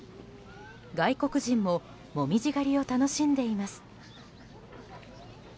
外国人も紅葉狩りを楽しんでいます。